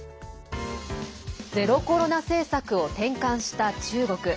ゼロコロナ政策を転換した中国。